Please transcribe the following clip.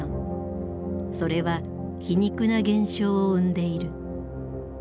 それは皮肉な現象を生んでいる。